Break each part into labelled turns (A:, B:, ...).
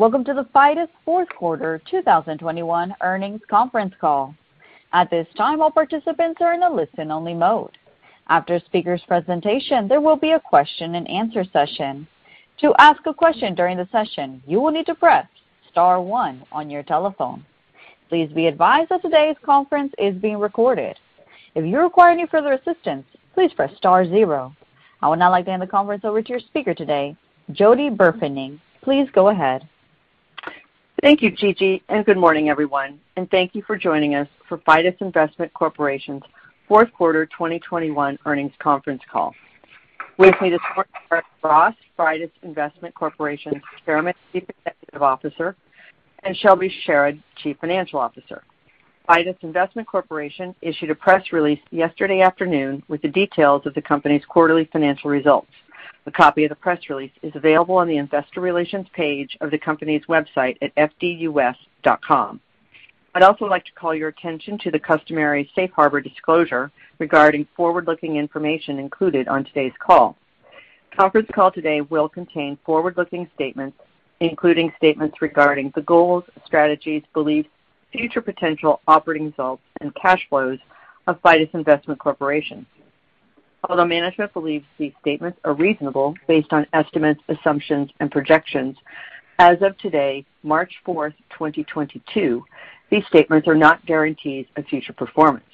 A: Welcome to the Fidus Fourth Quarter 2021 Earnings Conference Call. At this time, all participants are in a listen-only mode. After speaker's presentation, there will be a question and answer session. To ask a question during the session, you will need to press star one on your telephone. Please be advised that today's conference is being recorded. If you require any further assistance, please press star zero. I would now like to hand the conference over to your speaker today, Jody Burfening. Please go ahead.
B: Thank you, Gigi, and good morning, everyone, and thank you for joining us for Fidus Investment Corporation's Fourth Quarter 2021 Earnings Conference Call. With me this morning are Ed Ross, Fidus Investment Corporation's Chairman, Chief Executive Officer, and Shelby Sherard, Chief Financial Officer. Fidus Investment Corporation issued a press release yesterday afternoon with the details of the company's quarterly financial results. A copy of the press release is available on the investor relations page of the company's website at fdus.com. I'd also like to call your attention to the customary safe harbor disclosure regarding forward-looking information included on today's call. The conference call today will contain forward-looking statements, including statements regarding the goals, strategies, beliefs, future potential operating results, and cash flows of Fidus Investment Corporation. Although management believes these statements are reasonable based on estimates, assumptions, and projections, as of today, March 4th, 2022, these statements are not guarantees of future performance.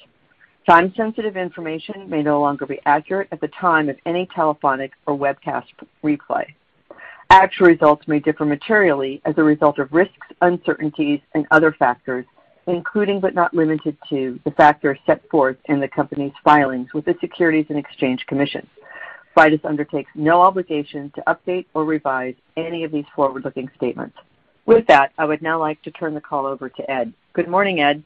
B: Time-sensitive information may no longer be accurate at the time of any telephonic or webcast replay. Actual results may differ materially as a result of risks, uncertainties, and other factors, including, but not limited to, the factors set forth in the company's filings with the Securities and Exchange Commission. Fidus undertakes no obligation to update or revise any of these forward-looking statements. With that, I would now like to turn the call over to Ed. Good morning, Ed.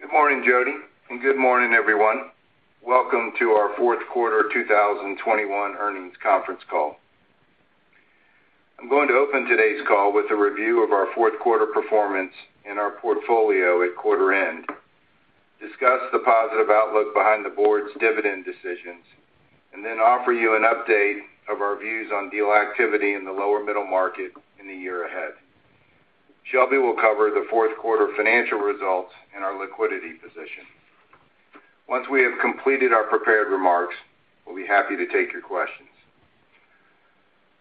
C: Good morning, Jody, and good morning, everyone. Welcome to our Fourth Quarter 2021 Earnings Conference Call. I'm going to open today's call with a review of our fourth quarter performance and our portfolio at quarter end, discuss the positive outlook behind the board's dividend decisions, and then offer you an update of our views on deal activity in the lower middle market in the year ahead. Shelby will cover the fourth quarter financial results and our liquidity position. Once we have completed our prepared remarks, we'll be happy to take your questions.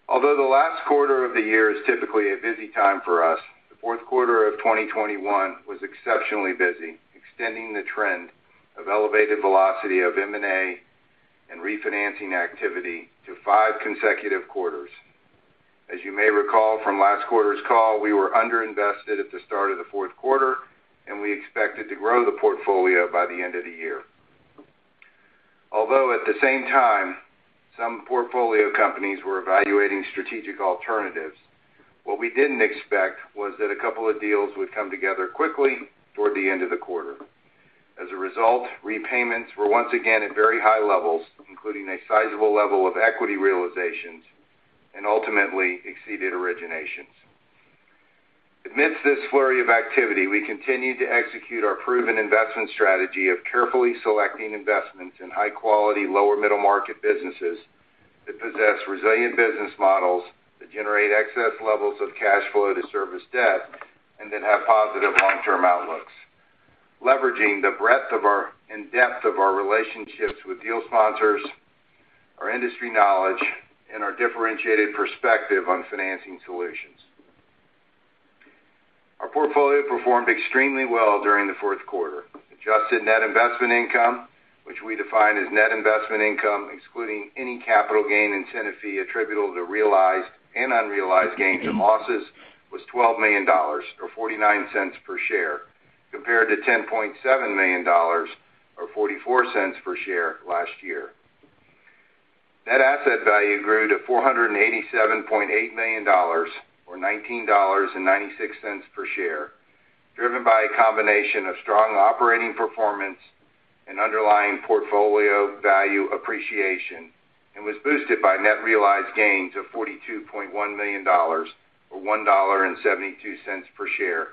C: Although the last quarter of the year is typically a busy time for us, the fourth quarter of 2021 was exceptionally busy, extending the trend of elevated velocity of M&A and refinancing activity to five consecutive quarters. As you may recall from last quarter's call, we were underinvested at the start of the fourth quarter, and we expected to grow the portfolio by the end of the year. Although at the same time, some portfolio companies were evaluating strategic alternatives. What we didn't expect was that a couple of deals would come together quickly toward the end of the quarter. As a result, repayments were once again at very high levels, including a sizable level of equity realizations and ultimately exceeded originations. Amidst this flurry of activity, we continued to execute our proven investment strategy of carefully selecting investments in high quality, lower middle market businesses that possess resilient business models that generate excess levels of cash flow to service debt and that have positive long-term outlooks. Leveraging the breadth of our and depth of our relationships with deal sponsors, our industry knowledge, and our differentiated perspective on financing solutions. Our portfolio performed extremely well during the fourth quarter. Adjusted net investment income, which we define as net investment income, excluding any capital gain incentive fee attributable to realized and unrealized gains and losses, was $12 million or $0.49 per share, compared to $10.7 million or $0.44 per share last year. Net asset value grew to $487.8 million or $19.96 per share, driven by a combination of strong operating performance and underlying portfolio value appreciation, and was boosted by net realized gains of $42.1 million or $1.72 per share,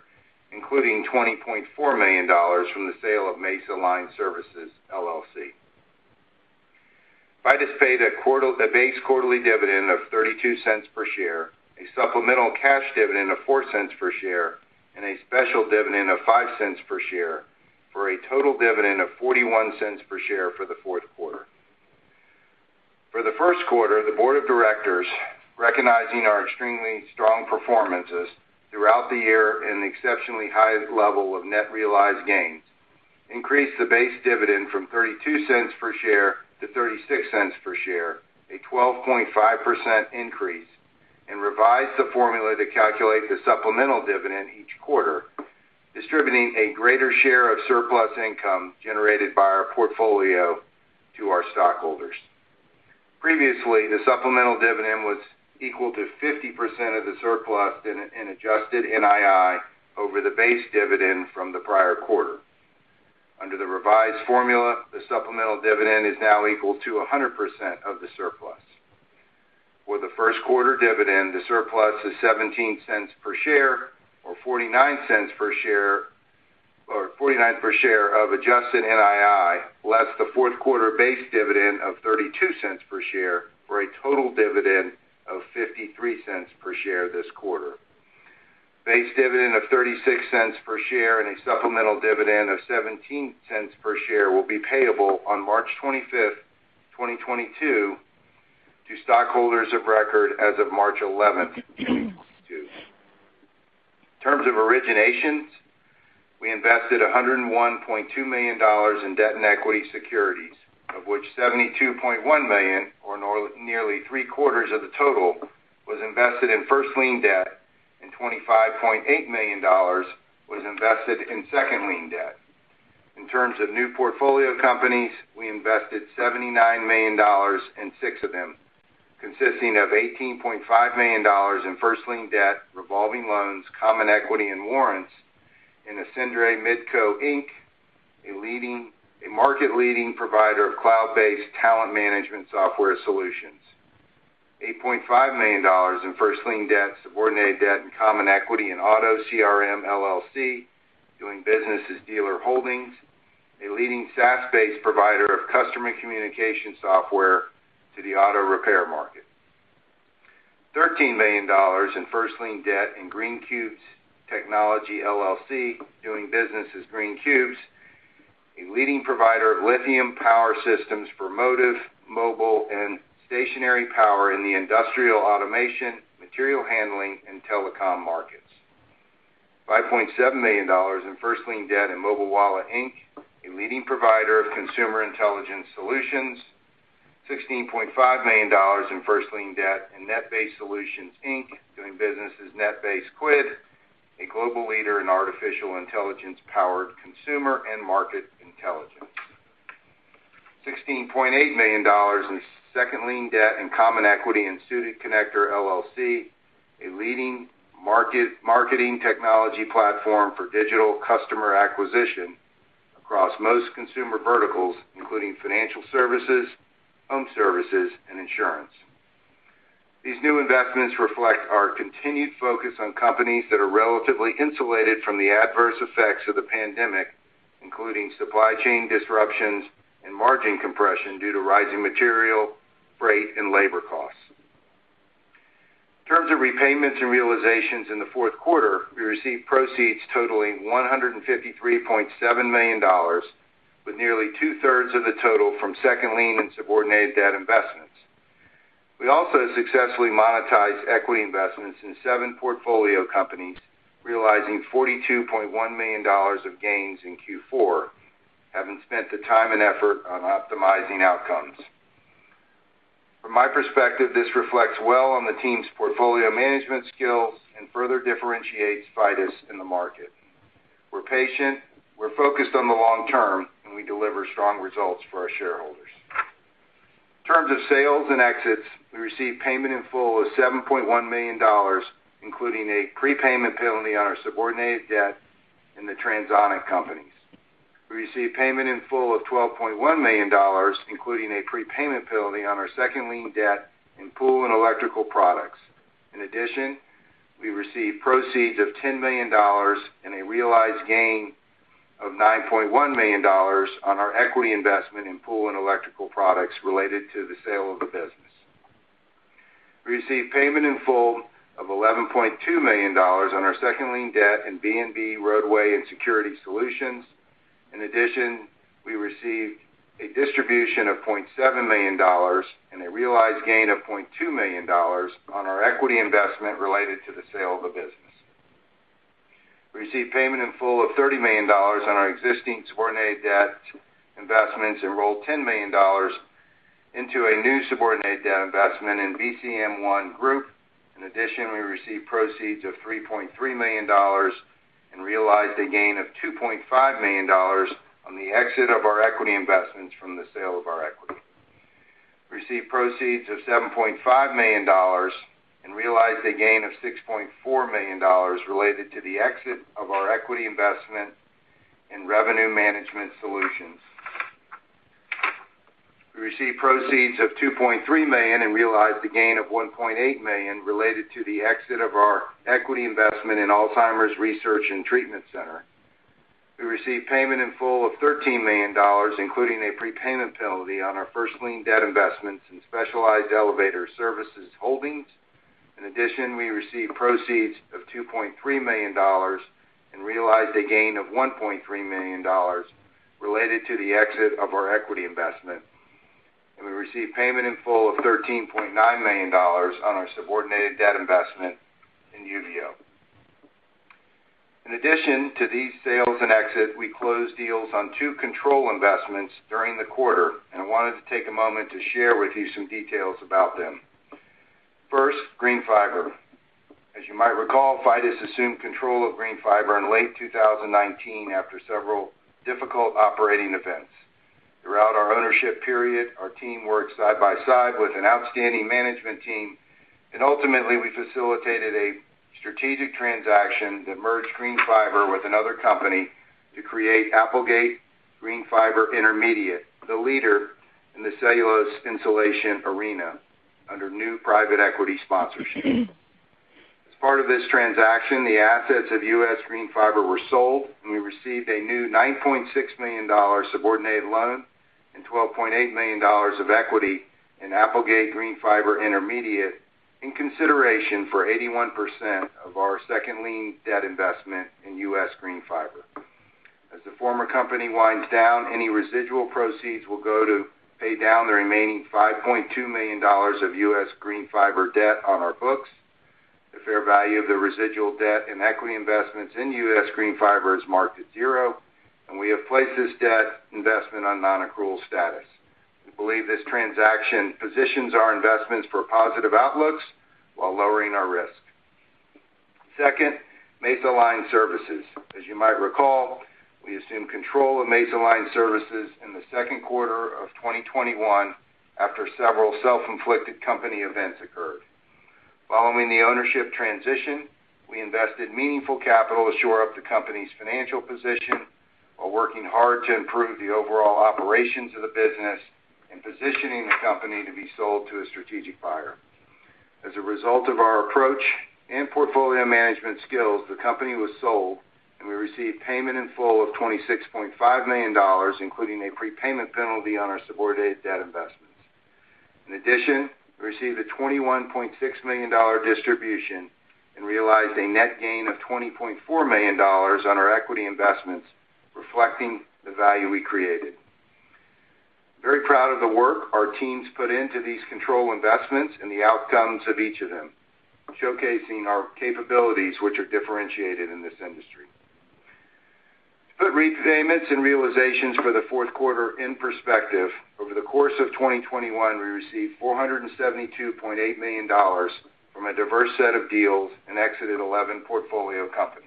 C: including $20.4 million from the sale of Mesa Line Services LLC. Fidus paid a base quarterly dividend of $0.32 per share, a supplemental cash dividend of $0.04 per share, and a special dividend of $0.05 per share for a total dividend of $0.41 per share for the fourth quarter. For the first quarter, the board of directors, recognizing our extremely strong performances throughout the year and the exceptionally high level of net realized gains, increased the base dividend from $0.32 per share to $0.36 per share, a 12.5% increase, and revised the formula to calculate the supplemental dividend each quarter, distributing a greater share of surplus income generated by our portfolio to our stockholders. Previously, the supplemental dividend was equal to 50% of the surplus in an adjusted NII over the base dividend from the prior quarter. Under the revised formula, the supplemental dividend is now equal to 100% of the surplus. For the first quarter dividend, the surplus is $0.17 per share or $0.49 per share of adjusted NII, less the fourth quarter base dividend of $0.32 per share for a total dividend of $0.53 per share this quarter. Base dividend of $0.36 per share and a supplemental dividend of $0.17 per share will be payable on March 25, 2022 to stockholders of record as of March 11, 2022. In terms of originations, we invested $101.2 million in debt and equity securities, of which $72.1 million or nearly three-quarters of the total was invested in first lien debt and $25.8 million was invested in second lien debt. In terms of new portfolio companies, we invested $79 million in six of them, consisting of $18.5 million in first lien debt, revolving loans, common equity and warrants in Ascensus Midco Inc, a market leading provider of cloud-based talent management software solutions. $8.5 million in first lien debt, subordinated debt and common equity in Auto CRM LLC, doing business as Dealer Holdings, a leading SaaS-based provider of customer communication software to the auto repair market. $13 million in first lien debt in Green Cubes Technology LLC, doing business as Green Cubes, a leading provider of lithium power systems for motive, mobile and stationary power in the industrial automation, material handling and telecom markets. $5.7 million in first lien debt in Mobilewalla, Inc, a leading provider of consumer intelligence solutions. $16.5 million in first lien debt in NetBase Solutions, Inc., doing business as NetBase Quid, a global leader in artificial intelligence powered consumer and market intelligence. $16.8 million in second lien debt and common equity in Suited Connector LLC, a leading marketing technology platform for digital customer acquisition across most consumer verticals, including financial services, home services and insurance. These new investments reflect our continued focus on companies that are relatively insulated from the adverse effects of the pandemic, including supply chain disruptions and margin compression due to rising material, freight, and labor costs. In terms of repayments and realizations in the fourth quarter, we received proceeds totaling $153.7 million, with nearly 2/3 of the total from second lien and subordinated debt investments. We also successfully monetized equity investments in seven portfolio companies, realizing $42.1 million of gains in Q4, having spent the time and effort on optimizing outcomes. From my perspective, this reflects well on the team's portfolio management skills and further differentiates Fidus in the market. We're patient, we're focused on the long term, and we deliver strong results for our shareholders. In terms of sales and exits, we received payment in full of $7.1 million, including a prepayment penalty on our subordinated debt in the Transonic companies. We received payment in full of $12.1 million, including a prepayment penalty on our second lien debt in Pool and Electrical Products. In addition, we received proceeds of $10 million and a realized gain of $9.1 million on our equity investment in Pool and Electrical Products related to the sale of the business. We received payment in full of $11.2 million on our second lien debt in B&B Roadway and Security Solutions. In addition, we received a distribution of $0.7 million and a realized gain of $0.2 million on our equity investment related to the sale of the business. We received payment in full of $30 million on our existing subordinated debt investments and rolled $10 million into a new subordinated debt investment in BCM One Group. In addition, we received proceeds of $3.3 million and realized a gain of $2.5 million on the exit of our equity investments from the sale of our equity. We received proceeds of $7.5 million and realized a gain of $6.4 million related to the exit of our equity investment in Revenue Management Solutions. We received proceeds of $2.3 million and realized a gain of $1.8 million related to the exit of our equity investment in Alzheimer's Research and Treatment Center. We received payment in full of $13 million, including a prepayment penalty on our first lien debt investments in Specialized Elevator Services Holdings. In addition, we received proceeds of $2.3 million and realized a gain of $1.3 million related to the exit of our equity investment. We received payment in full of $13.9 million on our subordinated debt investment in UVO. In addition to these sales and exit, we closed deals on two control investments during the quarter, and I wanted to take a moment to share with you some details about them. First, GreenFiber. As you might recall, Fidus assumed control of GreenFiber in late 2019 after several difficult operating events. Throughout our ownership period, our team worked side by side with an outstanding management team, and ultimately, we facilitated a strategic transaction that merged Greenfiber with another company to create Applegate Greenfiber Intermediate, the leader in the cellulose insulation arena under new private equity sponsorship. As part of this transaction, the assets of US Greenfiber were sold, and we received a new $9.6 million subordinated loan and $12.8 million of equity in Applegate Greenfiber Intermediate in consideration for 81% of our second lien debt investment in US Greenfiber. As the former company winds down, any residual proceeds will go to pay down the remaining $5.2 million of US Greenfiber debt on our books. The fair value of the residual debt and equity investments in US GreenFiber is marked at zero, and we have placed this debt investment on non-accrual status. We believe this transaction positions our investments for positive outlooks while lowering our risk. Second, Mesa Line Services. As you might recall, we assumed control of Mesa Line Services in the second quarter of 2021 after several self-inflicted company events occurred. Following the ownership transition, we invested meaningful capital to shore up the company's financial position while working hard to improve the overall operations of the business and positioning the company to be sold to a strategic buyer. As a result of our approach and portfolio management skills, the company was sold, and we received payment in full of $26.5 million, including a prepayment penalty on our subordinated debt investments. In addition, we received a $21.6 million distribution and realized a net gain of $20.4 million on our equity investments, reflecting the value we created. Very proud of the work our teams put into these control investments and the outcomes of each of them, showcasing our capabilities, which are differentiated in this industry. To put repayments and realizations for the fourth quarter in perspective, over the course of 2021, we received $472.8 million from a diverse set of deals and exited 11 portfolio companies.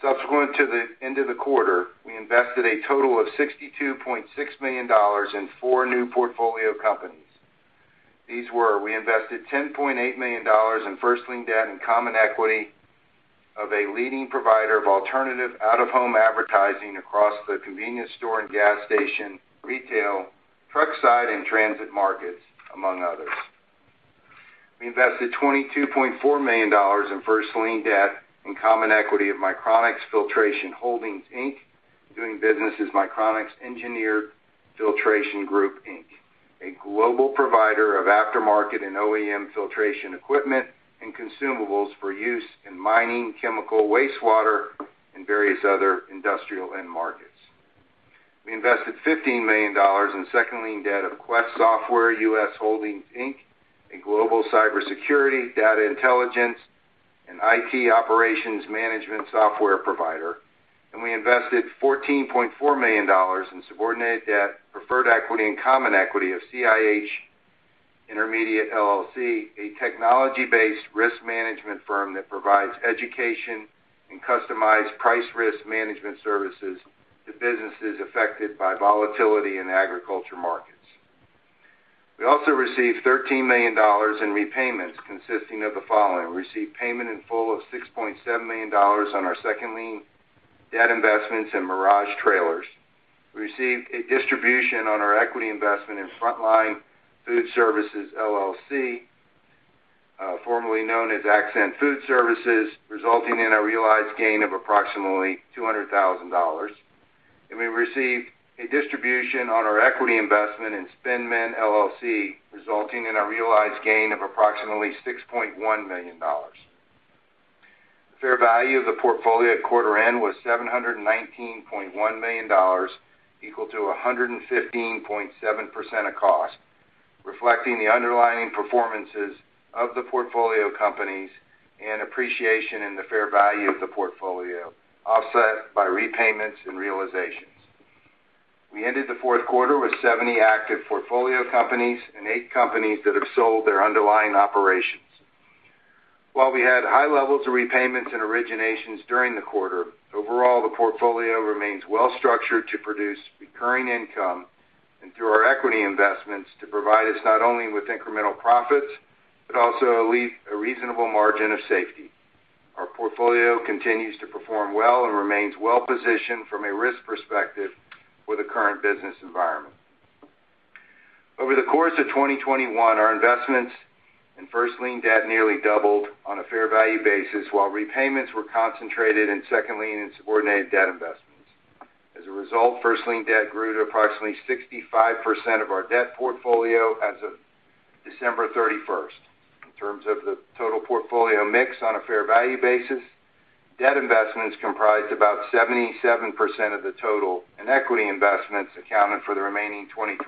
C: Subsequent to the end of the quarter, we invested a total of $62.6 million in 4 new portfolio companies. We invested $10.8 million in first lien debt and common equity of a leading provider of alternative out-of-home advertising across the convenience store and gas station, retail, truck side, and transit markets, among others. We invested $22.4 million in first lien debt and common equity of Micronics Filtration Holdings, Inc., doing business as Micronics Engineered Filtration Group, Inc., a global provider of aftermarket and OEM filtration equipment and consumables for use in mining, chemical wastewater, and various other industrial end markets. We invested $15 million in second lien debt of Quest Software US Holdings, Inc., a global cybersecurity, data intelligence, and IT operations management software provider. We invested $14.4 million in subordinated debt, preferred equity, and common equity of CIH Intermediate, LLC, a technology-based risk management firm that provides education and customized price risk management services to businesses affected by volatility in agriculture markets. We also received $13 million in repayments consisting of the following. We received payment in full of $6.7 million on our second lien debt investments in Mirage Trailers. We received a distribution on our equity investment in Frontline Food Services, LLC, formerly known as Accent Food Services, resulting in a realized gain of approximately $200,000. We received a distribution on our equity investment in SpendMend LLC, resulting in a realized gain of approximately $6.1 million. The fair value of the portfolio at quarter end was $719.1 million, equal to 115.7% of cost, reflecting the underlying performances of the portfolio companies and appreciation in the fair value of the portfolio, offset by repayments and realizations. We ended the fourth quarter with 70 active portfolio companies and eight companies that have sold their underlying operations. While we had high levels of repayments and originations during the quarter, overall, the portfolio remains well-structured to produce recurring income and through our equity investments to provide us not only with incremental profits, but also a reasonable margin of safety. Our portfolio continues to perform well and remains well-positioned from a risk perspective for the current business environment. Over the course of 2021, our investments in first lien debt nearly doubled on a fair value basis, while repayments were concentrated in second lien and subordinated debt investments. As a result, first lien debt grew to approximately 65% of our debt portfolio as of December 31st. In terms of the total portfolio mix on a fair value basis, debt investments comprised about 77% of the total and equity investments accounted for the remaining 23%.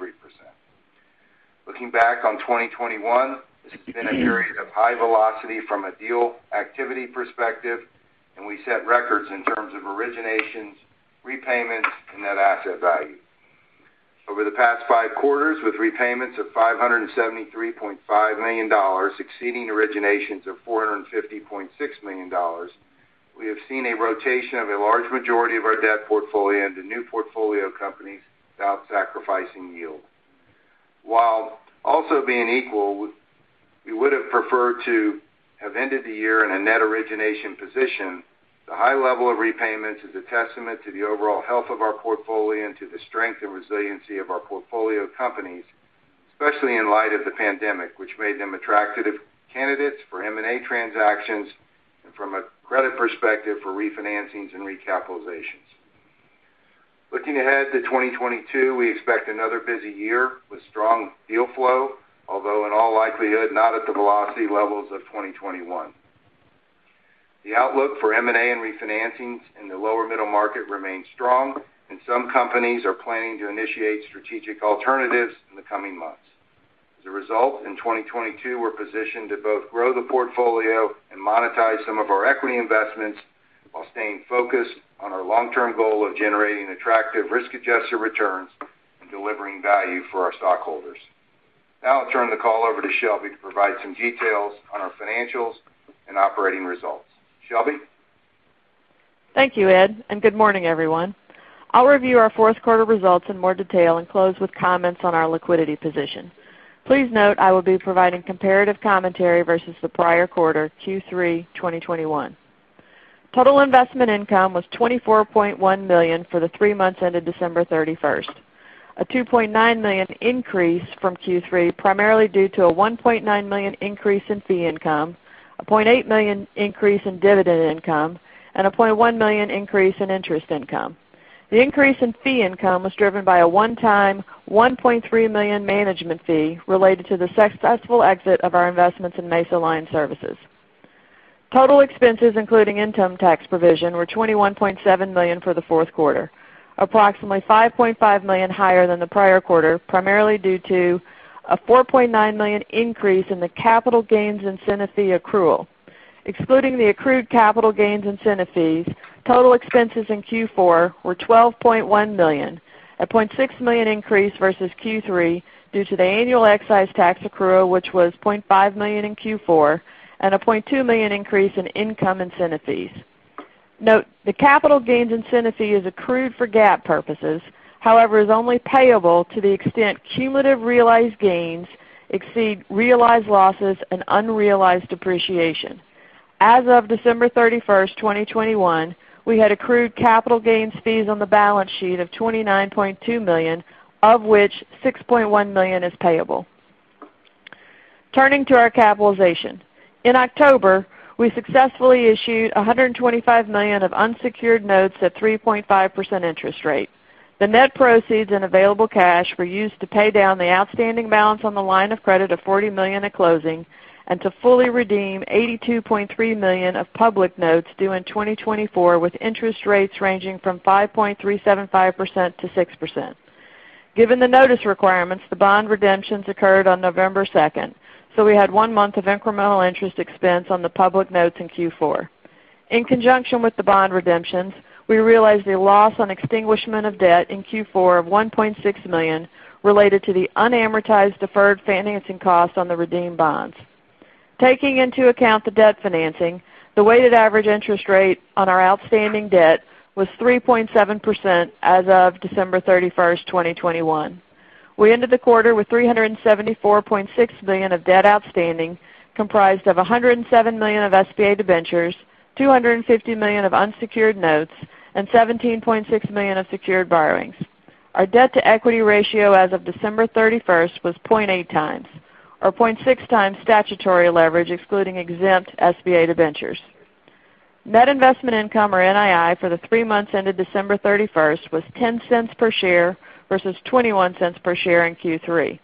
C: Looking back on 2021, this has been a period of high velocity from a deal activity perspective, and we set records in terms of originations, repayments, and net asset value. Over the past five quarters, with repayments of $573.5 million exceeding originations of $450.6 million, we have seen a rotation of a large majority of our debt portfolio into new portfolio companies without sacrificing yield. While also being equal, we would have preferred to have ended the year in a net origination position. The high level of repayments is a testament to the overall health of our portfolio and to the strength and resiliency of our portfolio companies. Especially in light of the pandemic, which made them attractive candidates for M&A transactions and from a credit perspective for refinancing's and recapitalizations. Looking ahead to 2022, we expect another busy year with strong deal flow, although in all likelihood, not at the velocity levels of 2021. The outlook for M&A and refinancing's in the lower middle market remains strong, and some companies are planning to initiate strategic alternatives in the coming months. As a result, in 2022, we're positioned to both grow the portfolio and monetize some of our equity investments while staying focused on our long-term goal of generating attractive risk-adjusted returns and delivering value for our stockholders. Now I'll turn the call over to Shelby to provide some details on our financials and operating results. Shelby?
D: Thank you, Ed, and good morning, everyone. I'll review our fourth quarter results in more detail and close with comments on our liquidity position. Please note I will be providing comparative commentary versus the prior quarter, Q3 2021. Total investment income was $24.1 million for the three months ended December 31st, a $2.9 million increase from Q3, primarily due to a $1.9 million increase in fee income, a $0.8 million increase in dividend income, and a $0.1 million increase in interest income. The increase in fee income was driven by a one-time $1.3 million management fee related to the successful exit of our investments in Mesa Line Services. Total expenses, including income tax provision, were $21.7 million for the fourth quarter, approximately $5.5 million higher than the prior quarter, primarily due to a $4.9 million increase in the capital gains incentive fee accrual. Excluding the accrued capital gains incentive fees, total expenses in Q4 were $12.1 million, a $0.6 million increase versus Q3 due to the annual excise tax accrual, which was $0.5 million in Q4, and a $0.2 million increase in income incentive fees. Note, the capital gains incentive fee is accrued for GAAP purposes, however, is only payable to the extent cumulative realized gains exceed realized losses and unrealized depreciation. As of December 31st, 2021, we had accrued capital gains fees on the balance sheet of $29.2 million, of which $6.1 million is payable. Turning to our capitalization. In October, we successfully issued $125 million of unsecured notes at 3.5% interest rate. The net proceeds and available cash were used to pay down the outstanding balance on the line of credit of $40 million at closing and to fully redeem $82.3 million of public notes due in 2024, with interest rates ranging from 5.375% to 6%. Given the notice requirements, the bond redemptions occurred on November 2nd, so we had one month of incremental interest expense on the public notes in Q4. In conjunction with the bond redemptions, we realized a loss on extinguishment of debt in Q4 of $1.6 million related to the unamortized deferred financing cost on the redeemed bonds. Taking into account the debt financing, the weighted average interest rate on our outstanding debt was 3.7% as of December 31st, 2021. We ended the quarter with $374.6 million of debt outstanding, comprised of $107 million of SBA debentures, $250 million of unsecured notes, and $17.6 million of secured borrowings. Our debt-to-equity ratio as of December 31st was 0.8x or 0.6x statutory leverage excluding exempt SBA debentures. Net investment income, or NII, for the three months ended December 31st was $0.10 per share versus $0.21 per share in Q3.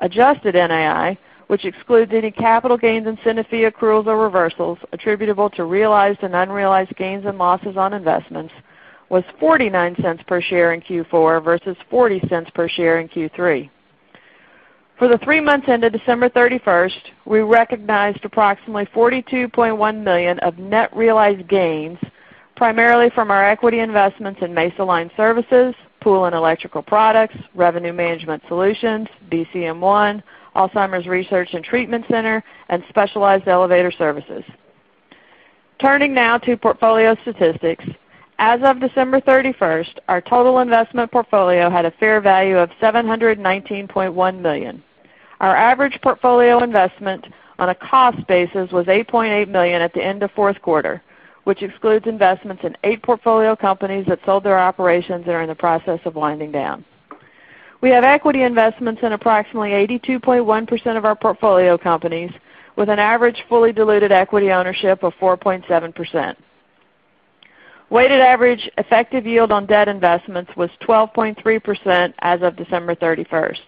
D: Adjusted NII, which excludes any capital gains, incentive fee accruals, or reversals attributable to realized and unrealized gains and losses on investments, was $0.49 per share in Q4 versus $0.40 per share in Q3. For the three months ended December 31st, we recognized approximately $42.1 million of net realized gains, primarily from our equity investments in Mesa Line Services, Pool and Electrical Products, Revenue Management Solutions, BCM One, Alzheimer's Research and Treatment Center, and Specialized Elevator Services. Turning now to portfolio statistics. As of December 31st, our total investment portfolio had a fair value of $719.1 million. Our average portfolio investment on a cost basis was $8.8 million at the end of fourth quarter, which excludes investments in eight portfolio companies that sold their operations that are in the process of winding down. We have equity investments in approximately 82.1% of our portfolio companies, with an average fully diluted equity ownership of 4.7%. Weighted average effective yield on debt investments was 12.3% as of December 31st.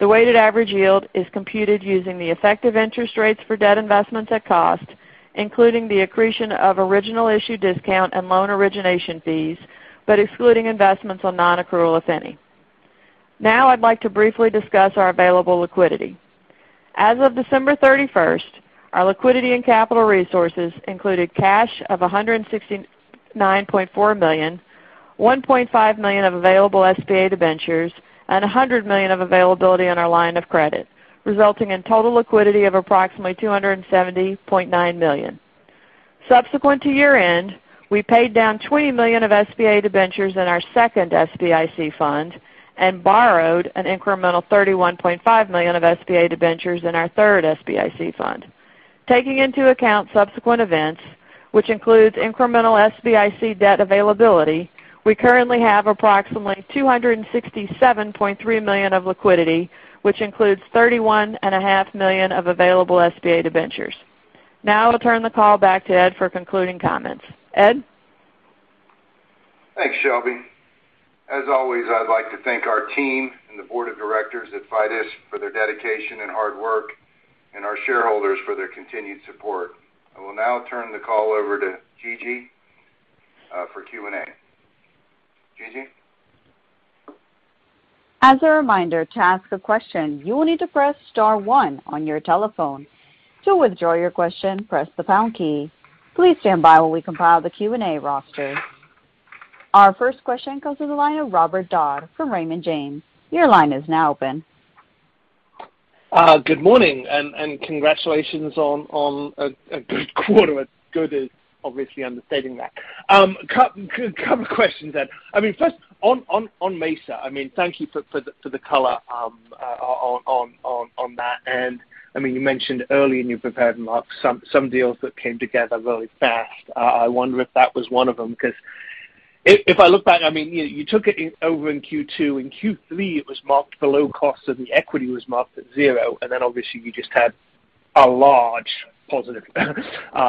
D: The weighted average yield is computed using the effective interest rates for debt investments at cost, including the accretion of original issue discount and loan origination fees, but excluding investments on non-accrual, if any. Now I'd like to briefly discuss our available liquidity. As of December 31st, our liquidity and capital resources included cash of $169.4 million, $1.5 million of available SBA debentures, and $100 million of availability on our line of credit, resulting in total liquidity of approximately $270.9 million. Subsequent to year-end, we paid down $20 million of SBA debentures in our second SBIC fund and borrowed an incremental $31.5 million of SBA debentures in our third SBIC fund. Taking into account subsequent events, which includes incremental SBIC debt availability, we currently have approximately $267.3 million of liquidity, which includes $31.5 million of available SBA debentures. Now I'll turn the call back to Ed for concluding comments. Ed?
C: Thanks, Shelby. As always, I'd like to thank our team and the board of directors at Fidus for their dedication and hard work and our shareholders for their continued support. I will now turn the call over to Gigi for Q&A. Gigi?
A: As a reminder, to ask a question, you will need to press star one on your telephone. To withdraw your question, press the pound key. Please stand by while we compile the Q&A roster. Our first question comes to the line of Robert Dodd from Raymond James. Your line is now open.
E: Good morning, and congratulations on a good quarter. Good is obviously understating that. Couple questions, Ed. I mean, first on Mesa, I mean, thank you for the color on that. I mean, you mentioned earlier in your prepared remarks some deals that came together really fast. I wonder if that was one of them, 'cause if I look back, I mean, you took it over in Q2. In Q3, it was marked below cost, so the equity was marked at zero. Then, obviously, you just had a large positive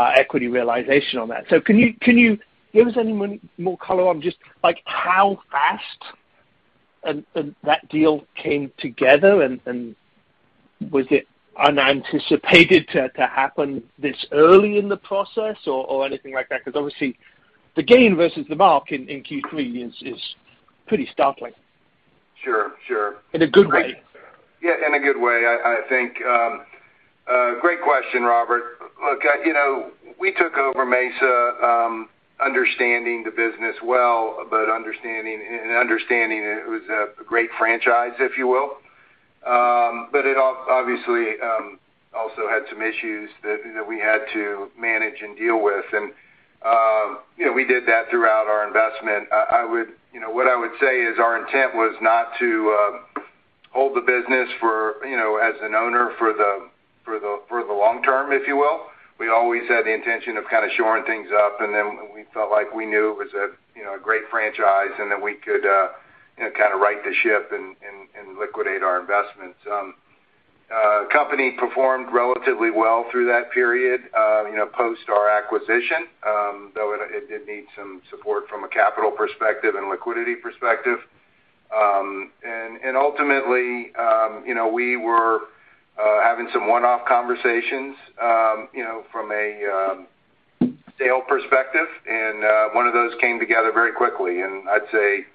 E: equity realization on that. Can you give us any more color on just like how fast that deal came together and was it unanticipated to happen this early in the process or anything like that? Because obviously the gain versus the mark in Q3 is pretty startling.
C: Sure, sure.
E: In a good way.
C: Yeah, in a good way, I think. Great question, Robert. Look, you know, we took over Mesa, understanding the business well, but understanding it was a great franchise, if you will. It obviously also had some issues that, you know, we had to manage and deal with. We did that throughout our investment. I would. You know, what I would say is our intent was not to hold the business for, you know, as an owner for the long term, if you will. We always had the intention of kind of shoring things up, and then we felt like we knew it was a great franchise, and that we could, you know, kind of right the ship and liquidate our investments. The company performed relatively well through that period, you know, post our acquisition, though it did need some support from a capital perspective and liquidity perspective. Ultimately, you know, we were having some one-off conversations, you know, from a sale perspective, and one of those came together very quickly. I'd say,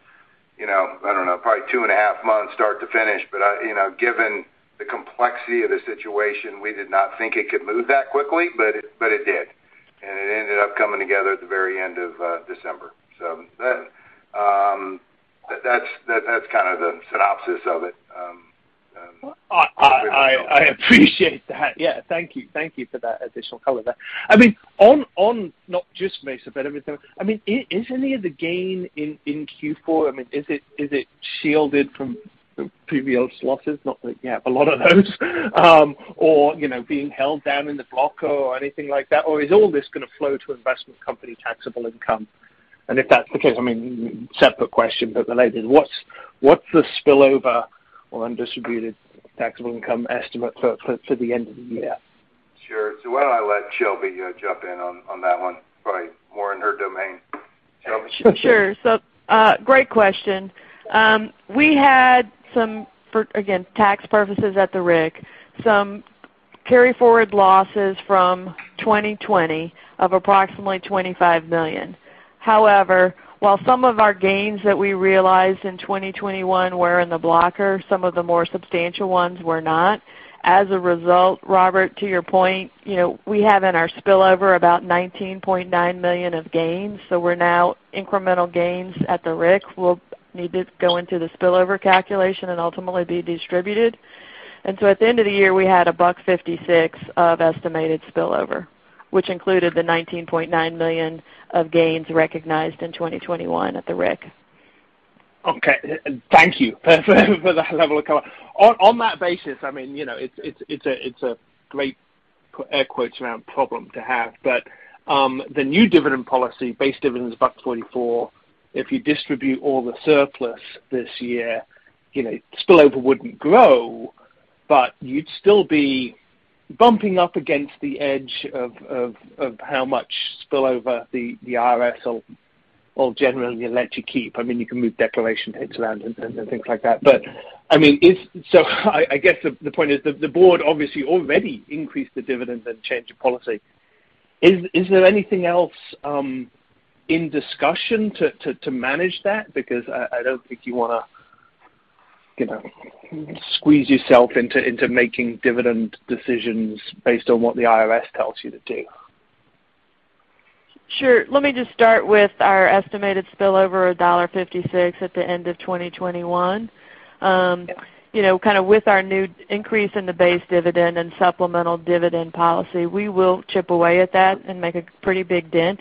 C: you know, I don't know, probably two and a half months start to finish. You know, given the complexity of the situation, we did not think it could move that quickly, but it did. It ended up coming together at the very end of December. That's kind of the synopsis of it.
E: I appreciate that. Yeah. Thank you for that additional color there. I mean, on not just Mesa, but everything, I mean, is any of the gain in Q4 shielded from the previous losses? Not that you have a lot of those. Or, you know, being held down in the blocker or anything like that, or is all this going to flow to investment company taxable income? If that's the case, I mean, separate question, but related, what's the spillover or undistributed taxable income estimate for the end of the year?
C: Sure. Why don't I let Shelby jump in on that one? Probably more in her domain. Shelby?
D: Sure. Great question. We had some, again, for tax purposes at the RIC, some carryforward losses from 2020 of approximately $25 million. However, while some of our gains that we realized in 2021 were in the blocker, some of the more substantial ones were not. As a result, Robert, to your point, you know, we have in our spillover about $19.9 million of gains. Now incremental gains at the RIC will need to go into the spillover calculation and ultimately be distributed. At the end of the year, we had $1.56 of estimated spillover, which included the $19.9 million of gains recognized in 2021 at the RIC.
E: Thank you for that level of color. On that basis, I mean, you know, it's a great air quotes around problem to have. The new dividend policy, base dividend is $1.24. If you distribute all the surplus this year, you know, spillover wouldn't grow, but you'd still be bumping up against the edge of how much spillover the IRS will generally let you keep. I mean, you can move declaration dates around and things like that. I mean, I guess the point is the board obviously already increased the dividend and change of policy. Is there anything else in discussion to manage that? Because I don't think you wanna, you know, squeeze yourself into making dividend decisions based on what the IRS tells you to do.
D: Sure. Let me just start with our estimated spillover of $1.56 at the end of 2021. You know, kind of with our new increase in the base dividend and supplemental dividend policy, we will chip away at that and make a pretty big dent.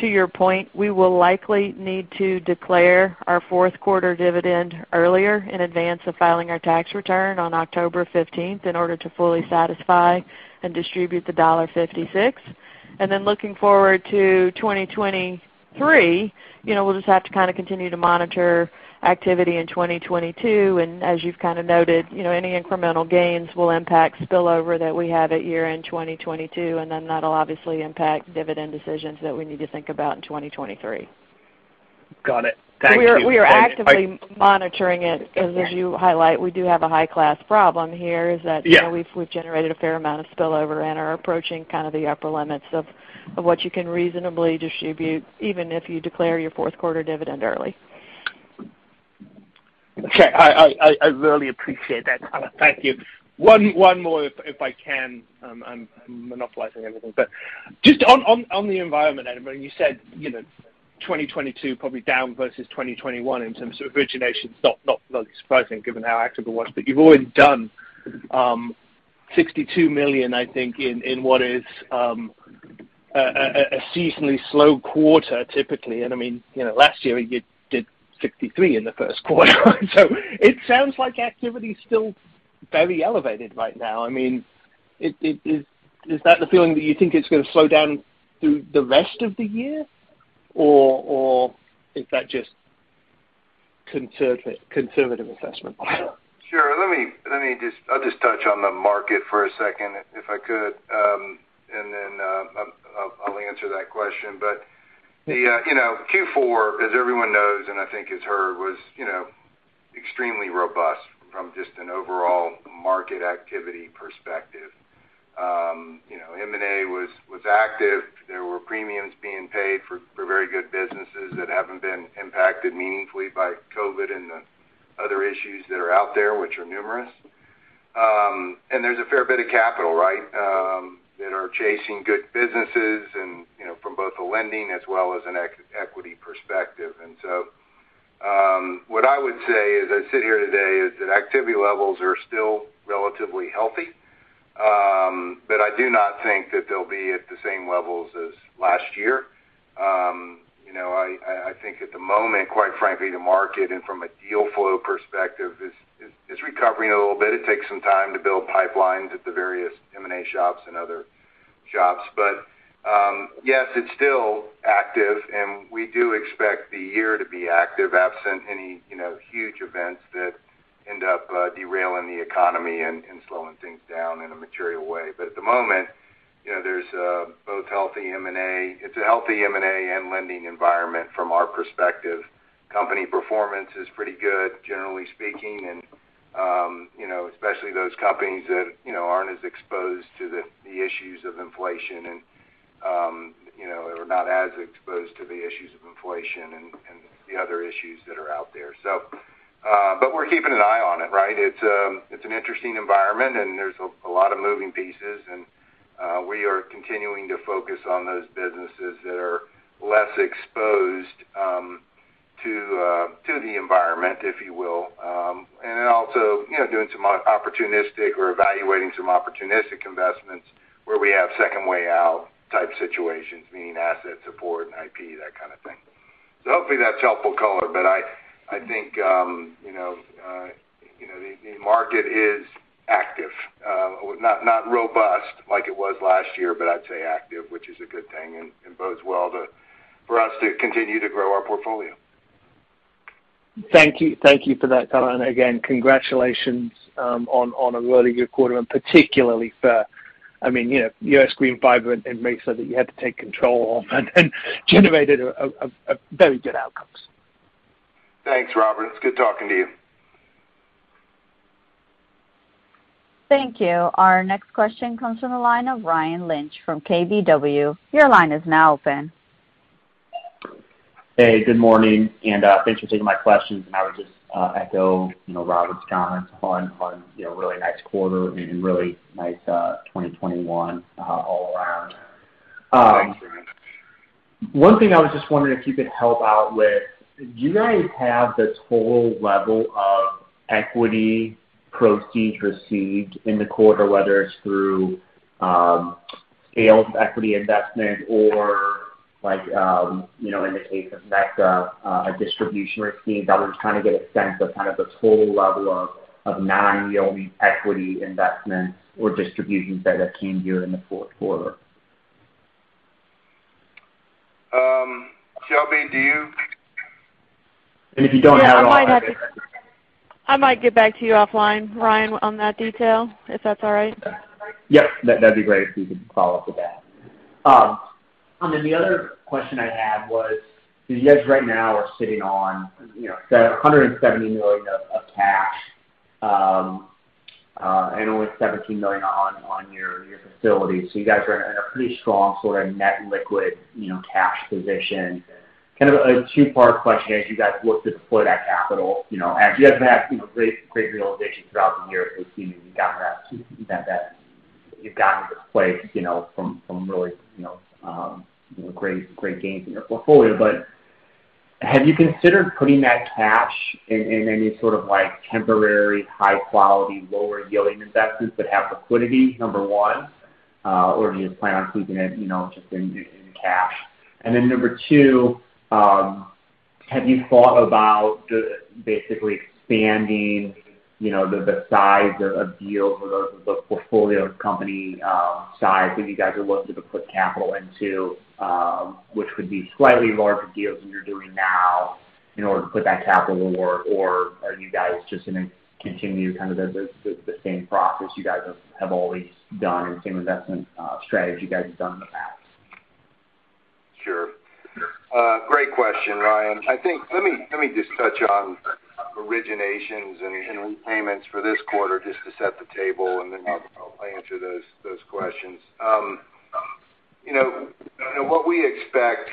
D: To your point, we will likely need to declare our fourth quarter dividend earlier in advance of filing our tax return on October 15th in order to fully satisfy and distribute the $1.56. Looking forward to 2023, you know, we'll just have to kind of continue to monitor activity in 2022. As you've kind of noted, you know, any incremental gains will impact spillover that we have at year-end 2022, and then that'll obviously impact dividend decisions that we need to think about in 2023.
E: Got it. Thank you.
D: We are actively monitoring it because as you highlight, we do have a high-class problem here is that
E: Yeah.
D: You know, we've generated a fair amount of spillover and are approaching kind of the upper limits of what you can reasonably distribute, even if you declare your fourth quarter dividend early.
E: Okay. I really appreciate that, Shelby. Thank you. One more if I can. I'm monopolizing everything. Just on the environment, I mean, you said, you know, 2022 probably down versus 2021 in terms of originations, not surprising given how active it was. You've already done $62 million, I think, in what is a seasonally slow quarter typically. I mean, you know, last year you did $63 million in the first quarter. It sounds like activity is still very elevated right now. I mean, is that the feeling that you think it's gonna slow down through the rest of the year, or is that just conservative assessment?
C: Sure. Let me just touch on the market for a second, if I could, and then I'll answer that question. The Q4, as everyone knows and I think has heard, was you know, extremely robust from just an overall market activity perspective. You know, M&A was active. There were premiums being paid for very good businesses that haven't been impacted meaningfully by COVID-19 and the other issues that are out there, which are numerous. And there's a fair bit of capital, right, that are chasing good businesses and, you know, from both a lending as well as an equity perspective. What I would say as I sit here today is that activity levels are still relatively healthy, but I do not think that they'll be at the same levels as last year. You know, I think at the moment, quite frankly, the market and from a deal flow perspective is recovering a little bit. It takes some time to build pipelines at the various M&A shops and other shops. Yes, it's still active, and we do expect the year to be active absent any, you know, huge events that end up derailing the economy and slowing things down in a material way. At the moment, you know, there's both healthy M&A. It's a healthy M&A and lending environment from our perspective. Company performance is pretty good, generally speaking, and you know, especially those companies that you know aren't as exposed to the issues of inflation and the other issues that are out there. We're keeping an eye on it, right? It's an interesting environment, and there's a lot of moving pieces. We are continuing to focus on those businesses that are less exposed to the environment, if you will. You know, evaluating some opportunistic investments where we have second way out type situations, meaning asset support and IP, that kind of thing. Hopefully that's helpful color. I think you know the market is active, not robust like it was last year, but I'd say active, which is a good thing and bodes well for us to continue to grow our portfolio.
E: Thank you. Thank you for that color. Again, congratulations on a really good quarter and particularly for, I mean, you know, US GreenFiber and Mesa that you had to take control of and generated a very good outcome.
C: Thanks, Robert. It's good talking to you.
A: Thank you. Our next question comes from the line of Ryan Lynch from KBW. Your line is now open.
F: Hey, good morning, and thanks for taking my questions. I would just echo, you know, Robert's comments on, you know, really nice quarter and really nice 2021 all around. One thing I was just wondering if you could help out with, do you guys have the total level of equity proceeds received in the quarter, whether it's through scaled equity investment or like, you know, in the case of Mesa, a distribution received? I was trying to get a sense of kind of the total level of non-yield equity investments or distributions that came here in the fourth quarter.
C: Shelby, do you?
F: If you don't have it all.
D: Yeah. I might get back to you offline, Ryan, on that detail, if that's all right.
F: Yep. That'd be great if you could follow up with that. The other question I had was, you guys right now are sitting on, you know, $170 million of cash, and only $17 million on your facilities. You guys are in a pretty strong sort of net liquidity, you know, cash position. Kind of a two-part question as you guys look to deploy that capital. You know, as you guys have had, you know, great realization throughout the year, it seems you've gotten that you've gotten to this place, you know, from really, you know, great gains in your portfolio. Have you considered putting that cash in any sort of like temporary high quality, lower yielding investments that have liquidity, number one, or do you plan on keeping it, you know, just in cash? Number two, have you thought about basically expanding, you know, the size of deals or the portfolio company size that you guys are looking to put capital into, which would be slightly larger deals than you're doing now in order to put that capital or are you guys just gonna continue kind of the same process you guys have always done and same investment strategy you guys have done in the past?
C: Sure. Great question, Ryan. Let me just touch on originations and repayments for this quarter just to set the table, and then I'll answer those questions. You know, what we expect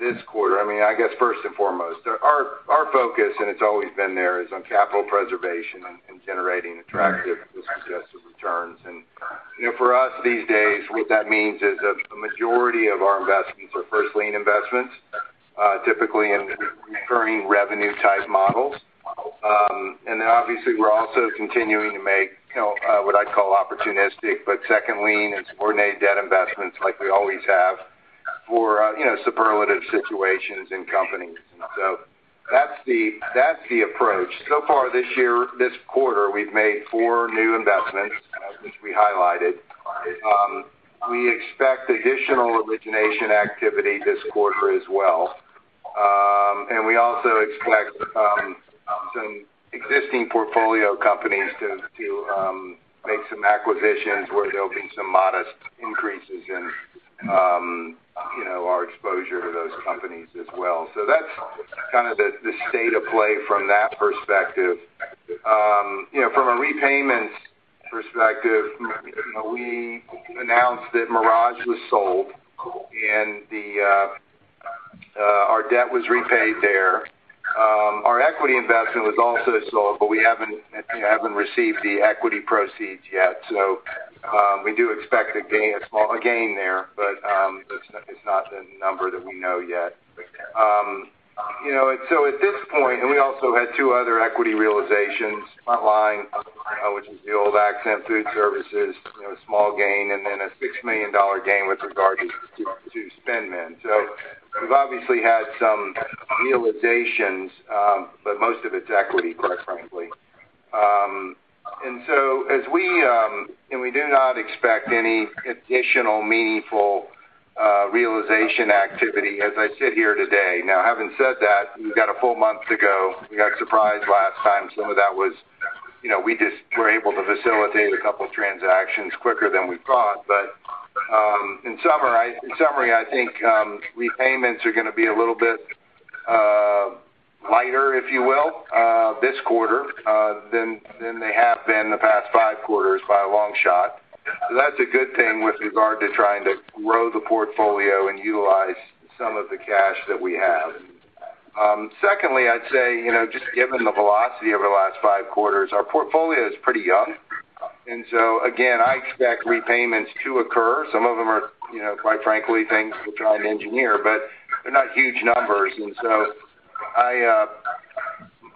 C: this quarter, I mean, I guess first and foremost, our focus, and it's always been there, is on capital preservation and generating attractive risk-adjusted returns. You know, for us these days, what that means is a majority of our investments are first lien investments, typically in recurring revenue type models. Obviously we're also continuing to make, you know, what I'd call opportunistic, but second lien and subordinated debt investments like we always have for, you know, superlative situations in companies. That's the approach. So far this year, this quarter, we've made four new investments, which we highlighted. We expect additional origination activity this quarter as well. We also expect some existing portfolio companies to make some acquisitions where there'll be some modest increases in, you know, our exposure to those companies as well. That's kind of the state of play from that perspective. You know, from a repayments perspective, you know, we announced that Mirage was sold and our debt was repaid there. Our equity investment was also sold, but we haven't received the equity proceeds yet. We do expect a gain, a small gain there, but it's not the number that we know yet. You know, at this point we also had two other equity realizations, Frontline, which is the old Accent Food Services, you know, small gain, and then a $6 million gain with regard to SpendMend. We've obviously had some realizations, but most of it's equity, quite frankly. We do not expect any additional meaningful realization activity as I sit here today. Now, having said that, we've got a full month to go. We got surprised last time. Some of that was, you know, we just were able to facilitate a couple transactions quicker than we thought. In summary, I think repayments are gonna be a little bit lighter, if you will, this quarter than they have been the past five quarters by a long shot. That's a good thing with regard to trying to grow the portfolio and utilize some of the cash that we have. Secondly, I'd say, you know, just given the velocity over the last five quarters, our portfolio is pretty young. I expect repayments to occur. Some of them are, you know, quite frankly, things we're trying to engineer, but they're not huge numbers.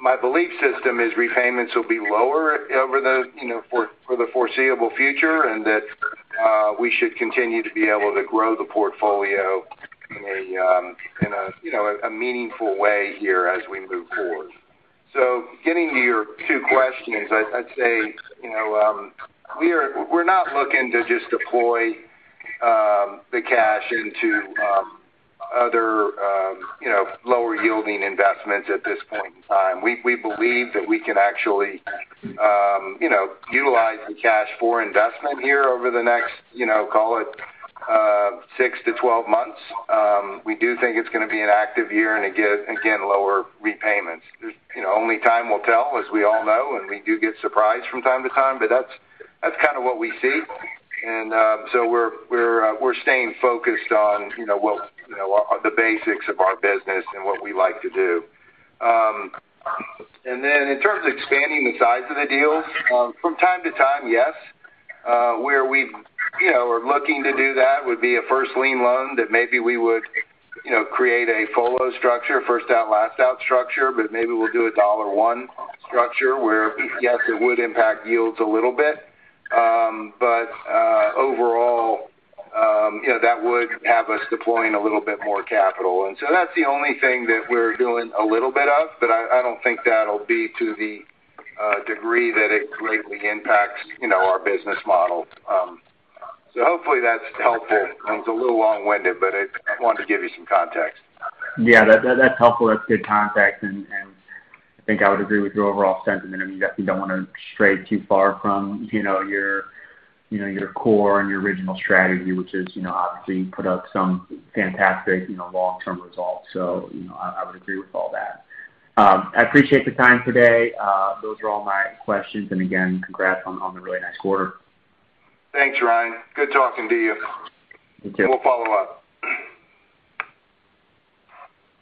C: My belief system is repayments will be lower over the foreseeable future, and that we should continue to be able to grow the portfolio in a meaningful way here as we move forward. Getting to your two questions, I'd say, you know, we're not looking to just deploy the cash into other lower yielding investments at this point in time. We believe that we can actually utilize the cash for investment here over the next, you know, call it six-12 months. We do think it's gonna be an active year and again lower repayments. There's, you know, only time will tell, as we all know, and we do get surprised from time to time, but that's kind of what we see. We're staying focused on, you know, the basics of our business and what we like to do. In terms of expanding the size of the deals, from time to time, yes. Where we are looking to do that would be a first lien loan that maybe we would, you know, create a follow structure, first-out, last-out structure, but maybe we'll do a unitranche structure where, yes, it would impact yields a little bit. Overall, you know, that would have us deploying a little bit more capital. That's the only thing that we're doing a little bit of, but I don't think that'll be to the degree that it greatly impacts, you know, our business model. Hopefully that's helpful. It's a little long-winded, but I wanted to give you some context.
F: Yeah. That, that's helpful. That's good context. I think I would agree with your overall sentiment. I mean, you definitely don't wanna stray too far from, you know, your, you know, your core and your original strategy, which is, you know, obviously put up some fantastic, you know, long-term results. You know, I would agree with all that. I appreciate the time today. Those are all my questions. Again, congrats on the really nice quarter.
C: Thanks, Ryan. Good talking to you.
F: You too.
C: We'll follow up.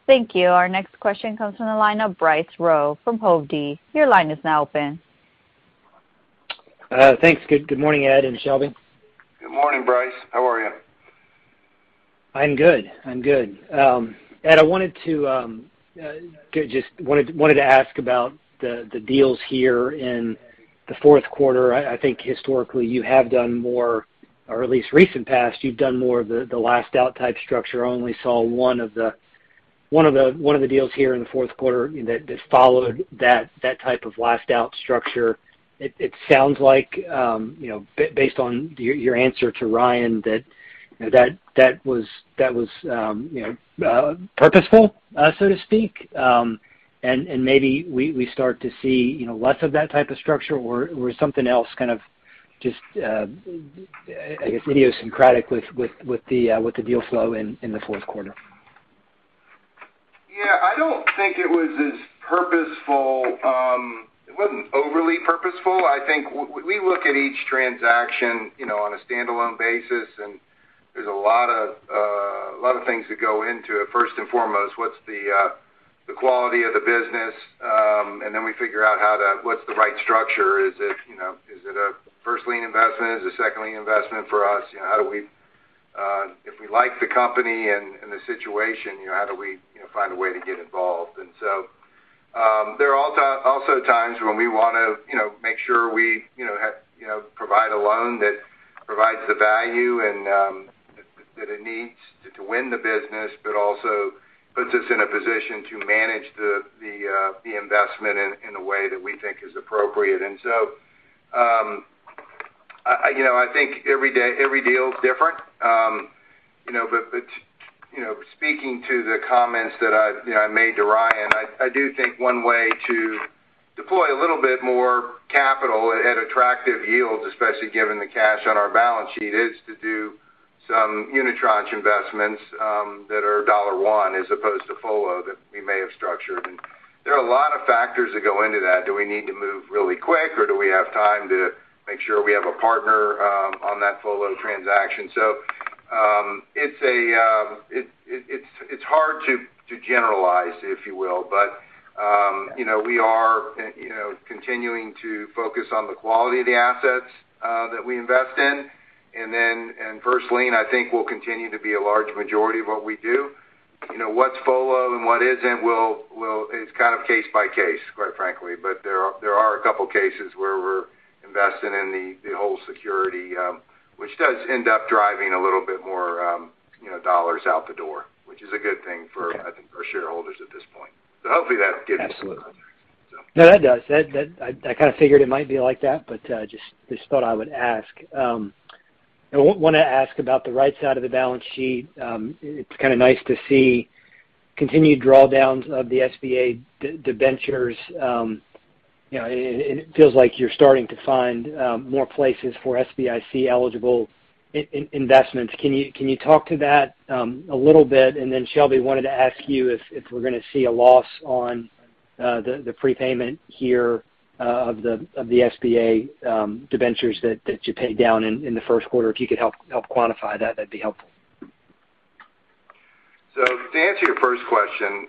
A: Thank you. Our next question comes from the line of Bryce Rowe from Hovde. Your line is now open.
G: Thanks. Good morning, Ed and Shelby.
C: Good morning, Bryce. How are you?
G: I'm good. Ed, I wanted to ask about the deals here in the fourth quarter. I think historically you have done more, or at least recent past, you've done more of the last out type structure. I only saw one of the deals here in the fourth quarter that followed that type of last out structure. It sounds like, you know, based on your answer to Ryan that, you know, that was purposeful, so to speak. Maybe we start to see, you know, less of that type of structure or something else kind of just, I guess, idiosyncratic with the deal flow in the fourth quarter.
C: Yeah. I don't think it was as purposeful. It wasn't overly purposeful. I think we look at each transaction, you know, on a standalone basis, and there's a lot of things that go into it. First and foremost, what's the quality of the business? We figure out what's the right structure. Is it, you know, is it a first lien investment? Is it second lien investment for us? You know, how do we, if we like the company and the situation, you know, how do we, you know, find a way to get involved? There are also times when we wanna, you know, make sure we, you know, have, you know, provide a loan that provides the value and that it needs to win the business, but also puts us in a position to manage the investment in a way that we think is appropriate. I you know, I think every deal is different. But you know, speaking to the comments that I've, you know, I made to Ryan, I do think one way to deploy a little bit more capital at attractive yields, especially given the cash on our balance sheet, is to do some unitranche investments that are dollar one as opposed to follow-ons that we may have structured. There are a lot of factors that go into that. Do we need to move really quick, or do we have time to make sure we have a partner on that follow transaction? It's hard to generalize, if you will. You know, we are continuing to focus on the quality of the assets that we invest in. First lien, I think, will continue to be a large majority of what we do. You know, what's follow and what isn't. It's kind of case by case, quite frankly. There are a couple cases where we're investing in the whole security, which does end up driving a little bit more, you know, dollars out the door, which is a good thing for, I think our shareholders at this point. Hopefully that gives you some clarity.
G: No, that does. That I kind of figured it might be like that, but just thought I would ask. I wanna ask about the right side of the balance sheet. It's kinda nice to see continued drawdowns of the SBA debentures. You know, and it feels like you're starting to find more places for SBIC-eligible investments. Can you talk to that a little bit? And then, Shelby, I wanted to ask you if we're gonna see a loss on the prepayment here of the SBA debentures that you paid down in the first quarter. If you could help quantify that'd be helpful.
C: To answer your first question,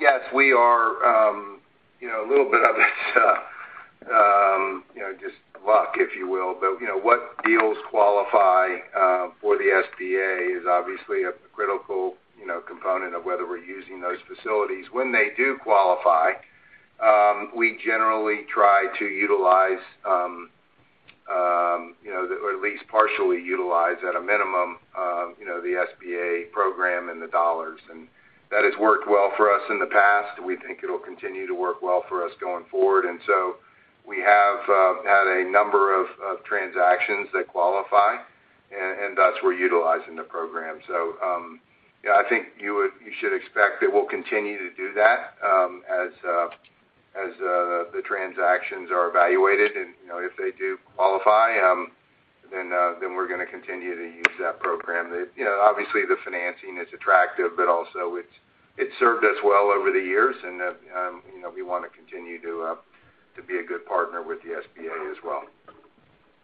C: yes, we are, you know, a little bit of it's, you know, just luck, if you will. What deals qualify for the SBA is obviously a critical, you know, component of whether we're using those facilities. When they do qualify, we generally try to utilize, you know, or at least partially utilize at a minimum, you know, the SBA program and the dollars. That has worked well for us in the past. We think it'll continue to work well for us going forward. We have had a number of transactions that qualify, and thus we're utilizing the program. Yeah, I think you should expect that we'll continue to do that, as the transactions are evaluated. You know, if they do qualify, then we're gonna continue to use that program. You know, obviously the financing is attractive, but also it's served us well over the years and, you know, we wanna continue to be a good partner with the SBA as well.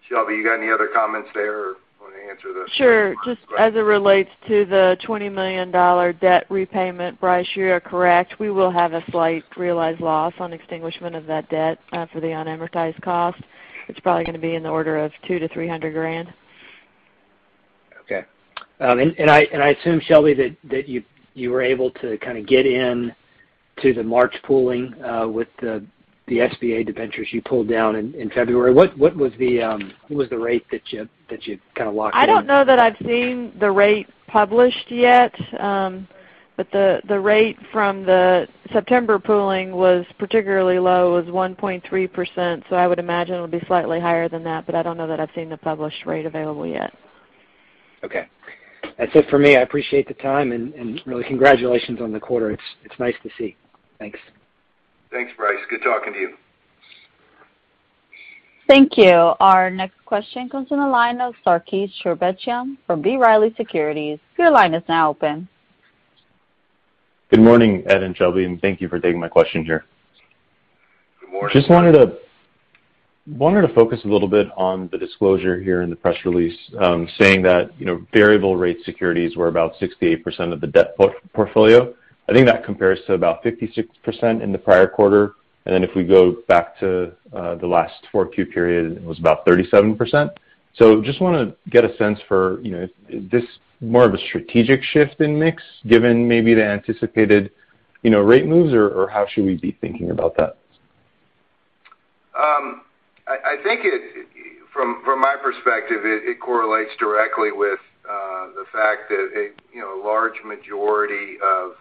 C: Shelby, you got any other comments there or wanna answer this one?
D: Sure. Just as it relates to the $20 million debt repayment, Bryce, you are correct. We will have a slight realized loss on extinguishment of that debt for the unamortized cost. It's probably gonna be in the order of $200,000-$300,000.
G: Okay. I assume, Shelby, that you were able to kinda get in to the March pooling with the SBA debentures you pulled down in February. What was the rate that you kinda locked in?
D: I don't know that I've seen the rate published yet. The rate from the September pooling was particularly low. It was 1.3%, so I would imagine it would be slightly higher than that. I don't know that I've seen the published rate available yet.
G: Okay. That's it for me. I appreciate the time and really congratulations on the quarter. It's nice to see. Thanks.
C: Thanks, Bryce. Good talking to you.
A: Thank you. Our next question comes from the line of Sarkis Sherbetchyan from B. Riley Securities. Your line is now open.
H: Good morning, Ed and Shelby, and thank you for taking my question here.
C: Good morning.
H: Wanted to focus a little bit on the disclosure here in the press release, saying that, you know, variable rate securities were about 68% of the debt portfolio. I think that compares to about 56% in the prior quarter. If we go back to the last four Q period, it was about 37%. Just wanna get a sense for, you know, is this more of a strategic shift in mix given maybe the anticipated, you know, rate moves, or how should we be thinking about that?
C: I think from my perspective, it correlates directly with the fact that, you know, a large majority of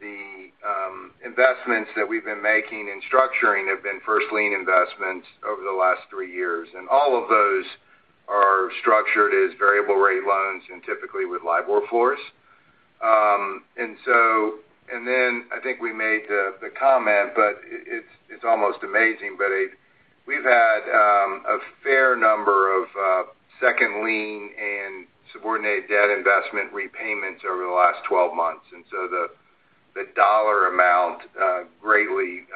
C: the investments that we've been making and structuring have been first lien investments over the last three years. All of those are structured as variable rate loans and typically with LIBOR floors. I think we made the comment, but it's almost amazing. We've had a fair number of second lien and subordinated debt investment repayments over the last 12 months. So the dollar amount greatly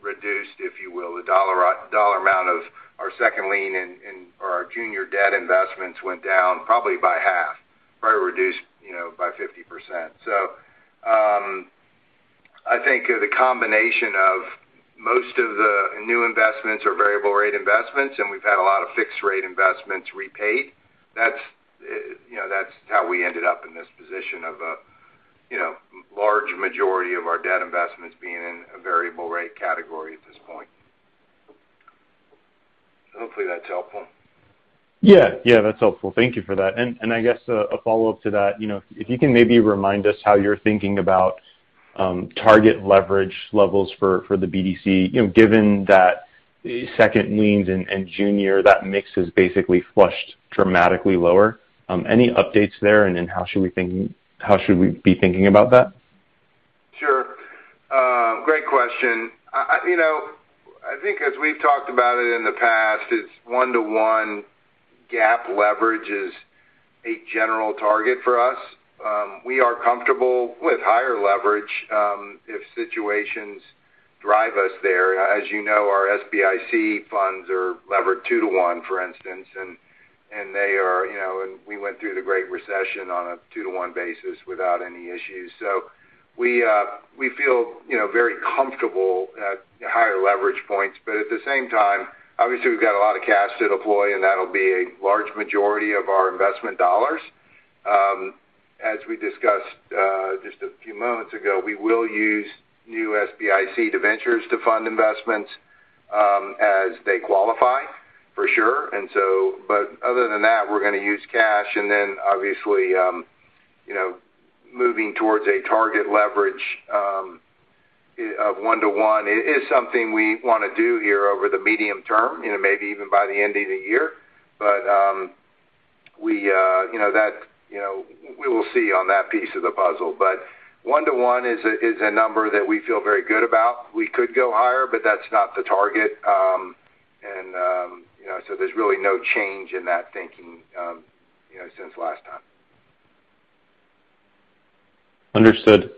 C: reduced, if you will. The dollar amount of our second lien and or our junior debt investments went down probably by half, probably reduced, you know, by 50%. I think the combination of most of the new investments are variable rate investments, and we've had a lot of fixed rate investments repaid. That's, you know, that's how we ended up in this position of a, you know, large majority of our debt investments being in a variable rate category at this point. Hopefully, that's helpful.
H: Yeah. Yeah, that's helpful. Thank you for that. I guess a follow-up to that, you know, if you can maybe remind us how you're thinking about target leverage levels for the BDC, you know, given that second liens and junior, that mix is basically pushed dramatically lower. Any updates there? How should we be thinking about that?
C: Sure. Great question. You know, I think as we've talked about it in the past, it's 1-to-1 GAAP leverage is a general target for us. We are comfortable with higher leverage, if situations drive us there. As you know, our SBIC funds are levered 2-to-1, for instance. We went through the great recession on a 2-to-1 basis without any issues. We feel very comfortable at higher leverage points. At the same time, obviously, we've got a lot of cash to deploy, and that'll be a large majority of our investment dollars. As we discussed, just a few moments ago, we will use new SBIC debentures to fund investments, as they qualify, for sure. Other than that, we're gonna use cash. Then obviously, you know, moving towards a target leverage, of 1-to-1 is something we wanna do here over the medium term, you know, maybe even by the end of the year. You know, we will see on that piece of the puzzle. 1-to-1 is a number that we feel very good about. We could go higher, but that's not the target. You know, there's really no change in that thinking, you know, since last time.
H: Understood.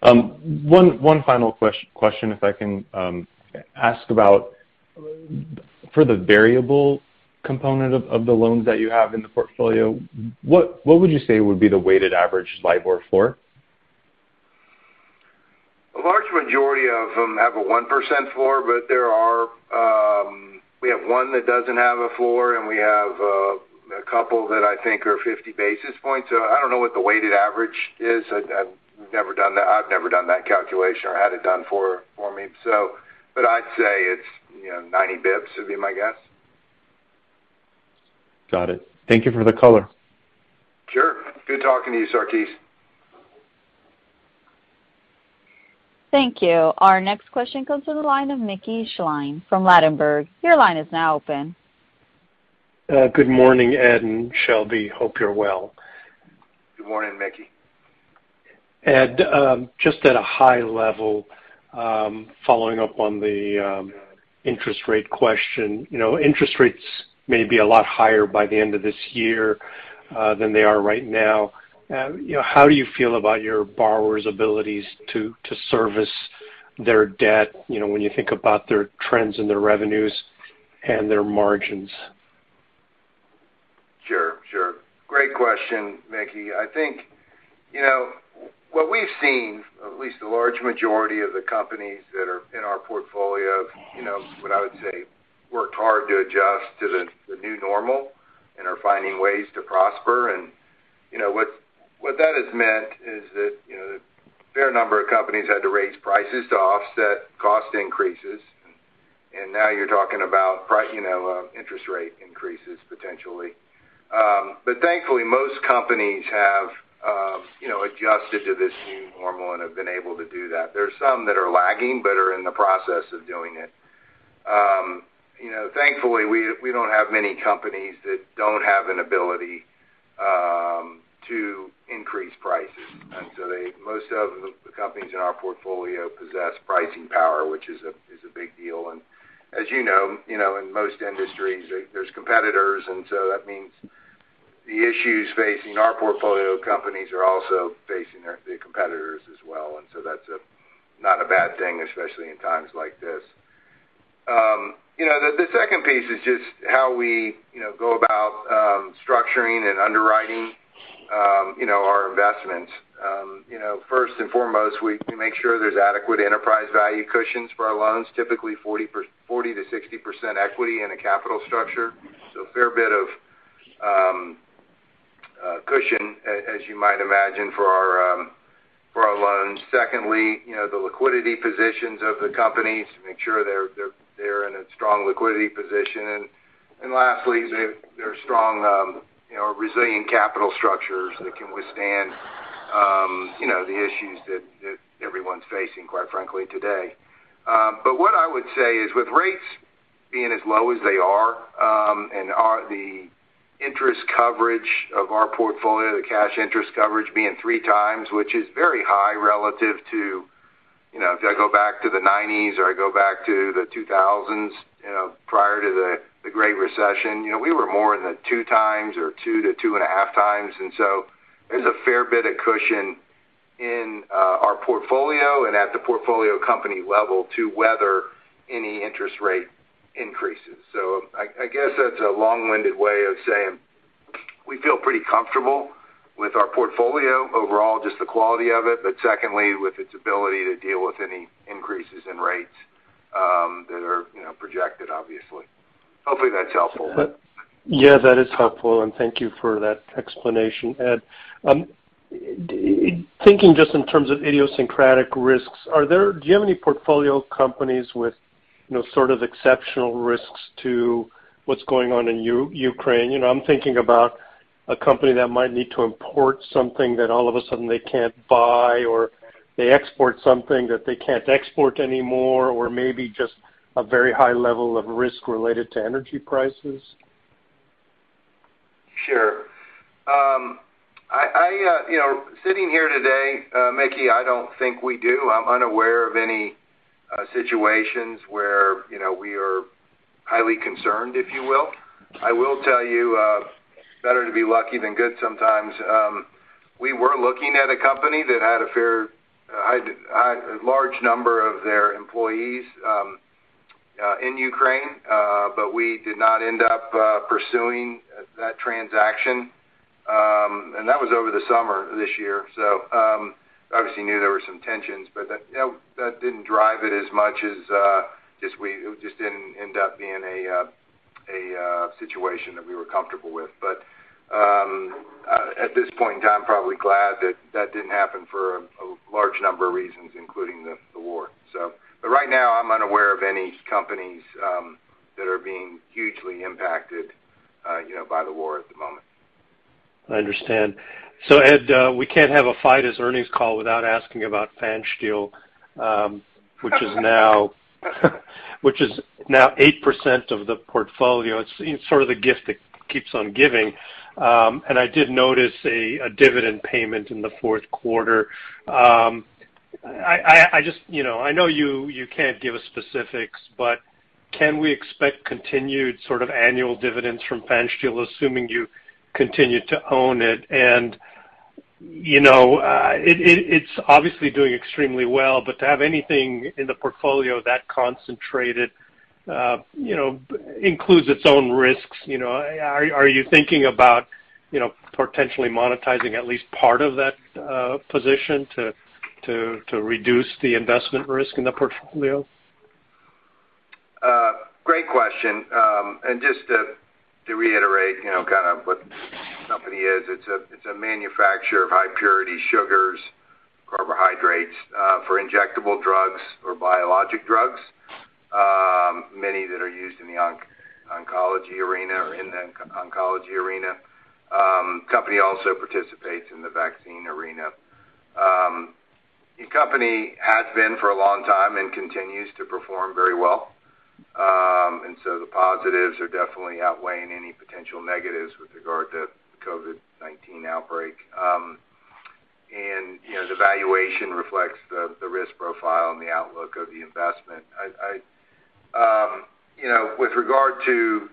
H: One final question, if I can ask about for the variable component of the loans that you have in the portfolio, what would you say would be the weighted average LIBOR floor?
C: A large majority of them have a 1% floor, but there are. We have one that doesn't have a floor, and we have a couple that I think are 50 basis points. I don't know what the weighted average is. I've never done that calculation or had it done for me. I'd say it's ninety basis points would be my guess.
H: Got it. Thank you for the color.
C: Sure. Good talking to you, Sarkis.
A: Thank you. Our next question comes to the line of Mickey Schleien from Ladenburg. Your line is now open.
I: Good morning, Ed and Shelby. Hope you're well.
C: Good morning, Mickey.
I: Ed, just at a high level, following up on the interest rate question. You know, interest rates may be a lot higher by the end of this year than they are right now. You know, how do you feel about your borrowers' abilities to service their debt, you know, when you think about their trends and their revenues and their margins?
C: Sure. Great question, Mickey. I think, you know, what we've seen, at least the large majority of the companies that are in our portfolio, you know, what I would say worked hard to adjust to the new normal and are finding ways to prosper. You know, what that has meant is that, you know, a fair number of companies had to raise prices to offset cost increases. Now you're talking about you know, interest rate increases potentially. But thankfully, most companies have, you know, adjusted to this new normal and have been able to do that. There are some that are lagging but are in the process of doing it. You know, thankfully, we don't have many companies that don't have an ability to increase prices. Most of the companies in our portfolio possess pricing power, which is a big deal. As you know, in most industries, there's competitors, and that means the issues facing our portfolio companies are also facing their competitors as well. That's not a bad thing, especially in times like this. You know, the second piece is just how we, you know, go about structuring and underwriting, you know, our investments. You know, first and foremost, we make sure there's adequate enterprise value cushions for our loans, typically 40%-60% equity in a capital structure. A fair bit of cushion as you might imagine for our loans. Secondly, you know, the liquidity positions of the companies to make sure they're in a strong liquidity position. Lastly, they've they're strong, you know, resilient capital structures that can withstand, you know, the issues that everyone's facing, quite frankly, today. What I would say is with rates being as low as they are, and the interest coverage of our portfolio, the cash interest coverage being 3x, which is very high relative to, you know, if I go back to the 1990s or I go back to the 2000s, you know, prior to the Great Recession, you know, we were more in the 2x or 2-2.5x. There's a fair bit of cushion in our portfolio and at the portfolio company level to weather any interest rate increases. I guess that's a long-winded way of saying we feel pretty comfortable with our portfolio overall, just the quality of it, but secondly, with its ability to deal with any increases in rates, that are, you know, projected, obviously. Hopefully, that's helpful.
I: Yeah, that is helpful, and thank you for that explanation, Ed. Thinking just in terms of idiosyncratic risks, do you have any portfolio companies with, you know, sort of exceptional risks to what's going on in Ukraine? You know, I'm thinking about a company that might need to import something that all of a sudden they can't buy, or they export something that they can't export anymore, or maybe just a very high level of risk related to energy prices.
C: Sure. You know, sitting here today, Mickey, I don't think we do. I'm unaware of any situations where, you know, we are highly concerned, if you will. I will tell you, better to be lucky than good sometimes. We were looking at a company that had a fairly large number of their employees in Ukraine, but we did not end up pursuing that transaction. That was over the summer this year. Obviously we knew there were some tensions, but that, you know, that didn't drive it as much as just it just didn't end up being a situation that we were comfortable with. At this point in time, I'm probably glad that that didn't happen for a large number of reasons, including the war. Right now, I'm unaware of any companies that are being hugely impacted, you know, by the war at the moment.
I: I understand. Ed, we can't have a Fidus earnings call without asking about Pfanstiehl, which is now 8% of the portfolio. It's, you know, sort of the gift that keeps on giving. I did notice a dividend payment in the fourth quarter. I just, you know, I know you can't give us specifics, but can we expect continued sort of annual dividends from Pfanstiehl, assuming you continue to own it? You know, it's obviously doing extremely well, but to have anything in the portfolio that concentrated, you know, includes its own risks. You know, are you thinking about, you know, potentially monetizing at least part of that position to reduce the investment risk in the portfolio?
C: Great question. Just to reiterate, you know, kind of what the company is. It's a manufacturer of high purity sugars, carbohydrates for injectable drugs or biologic drugs, many that are used in the oncology arena. Company also participates in the vaccine arena. The company has been for a long time and continues to perform very well. The positives are definitely outweighing any potential negatives with regard to the COVID-19 outbreak. You know, the valuation reflects the risk profile and the outlook of the investment. You know, with regard to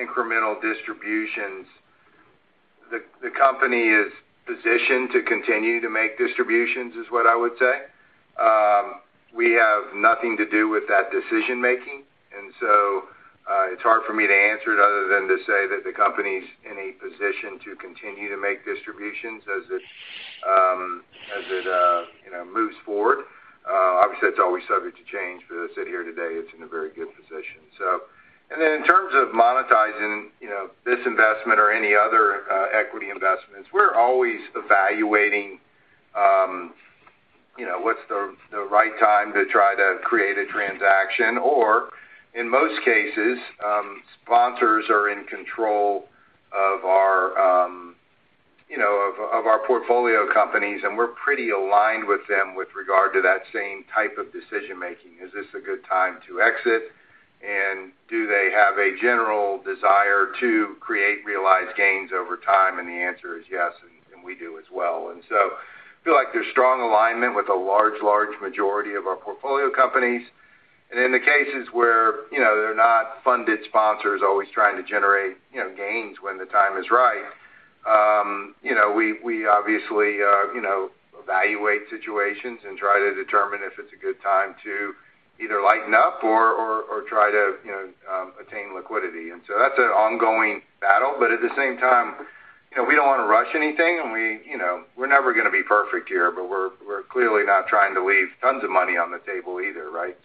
C: incremental distributions, the company is positioned to continue to make distributions is what I would say. We have nothing to do with that decision-making, and so, it's hard for me to answer it other than to say that the company's in a position to continue to make distributions as it you know, moves forward. Obviously, that's always subject to change, but as I sit here today, it's in a very good position. In terms of monetizing, you know, this investment or any other equity investments, we're always evaluating, you know, what's the right time to try to create a transaction or in most cases, sponsors are in control of our, you know, of our portfolio companies, and we're pretty aligned with them with regard to that same type of decision-making. Is this a good time to exit? Do they have a general desire to create realized gains over time? The answer is yes, and we do as well. I feel like there's strong alignment with a large majority of our portfolio companies. In the cases where you know they're not funded sponsors always trying to generate you know gains when the time is right, you know we obviously you know evaluate situations and try to determine if it's a good time to either lighten up or try to you know attain liquidity. That's an ongoing battle, but at the same time, you know, we don't wanna rush anything and we you know we're never gonna be perfect here, but we're clearly not trying to leave tons of money on the table either, right?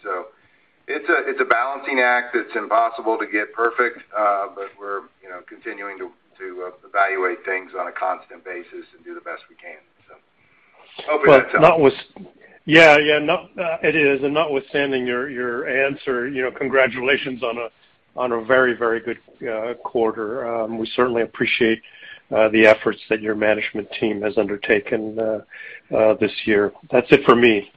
C: It's a balancing act. It's impossible to get perfect, but we're, you know, continuing to evaluate things on a constant basis and do the best we can. Hope that's helpful.
I: Yeah, yeah. It is. Notwithstanding your answer, you know, congratulations on a very good quarter. We certainly appreciate the efforts that your management team has undertaken this year. That's it for me.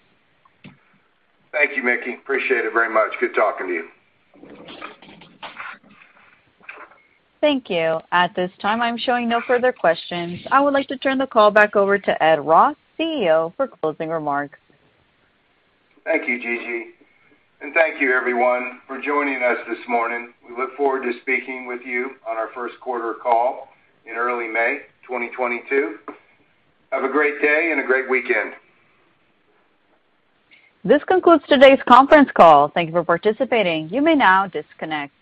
C: Thank you, Mickey. Appreciate it very much. Good talking to you.
A: Thank you. At this time, I'm showing no further questions. I would like to turn the call back over to Ed Ross, CEO, for closing remarks.
C: Thank you, Gigi. Thank you everyone for joining us this morning. We look forward to speaking with you on our first quarter call in early May 2022. Have a great day and a great weekend.
A: This concludes today's conference call. Thank you for participating. You may now disconnect.